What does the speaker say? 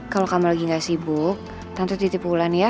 kalau kamu lagi gak sibuk tante titip bulan ya